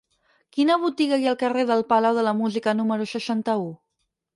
Quina botiga hi ha al carrer del Palau de la Música número seixanta-u?